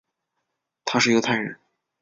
他是犹太人。